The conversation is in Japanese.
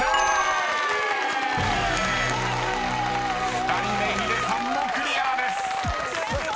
［２人目ヒデさんもクリアです］